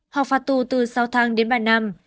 hoặc phạt tù từ sáu tháng đến ba năm